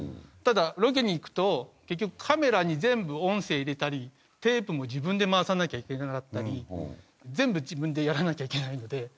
ただロケに行くと結局カメラに全部音声入れたりテープも自分で回さなきゃいけなかったり全部自分でやらなきゃいけないので。